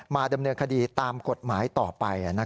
ดำเนินคดีตามกฎหมายต่อไป